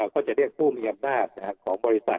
ก็จะเรียกผู้มีอำนาจของบริษัท